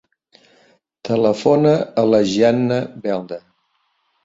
Telefona a la Gianna Belda.